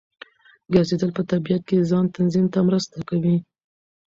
ګرځېدل په طبیعت کې د ځان تنظیم ته مرسته کوي.